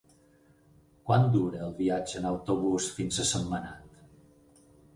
Quant dura el viatge en autobús fins a Sentmenat?